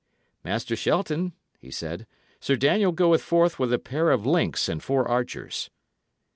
"Master Shelton," he said, "Sir Daniel goeth forth with a pair of links and four archers."